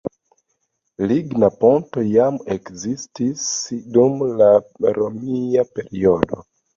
Ligna ponto jam ekzistis dum la romia periodo.